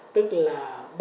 tức là ba mươi một